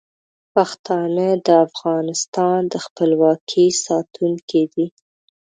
پښتانه د افغانستان د خپلواکۍ ساتونکي دي.